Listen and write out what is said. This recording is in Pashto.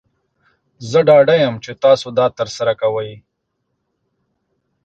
زه ډاډه یم چې تاسو دا ترسره کوئ.